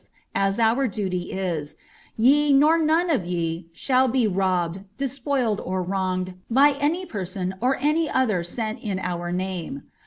as our duty is, ye, nor none of ye, shall be robbed, despoiled, or wronged by any person or any other sent in our name.